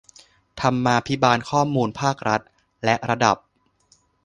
ธรรมาภิบาลข้อมูลภาครัฐ และระดับ